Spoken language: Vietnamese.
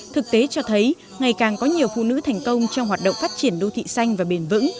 thực tế cho thấy ngày càng có nhiều phụ nữ thành công trong hoạt động phát triển đô thị xanh và bền vững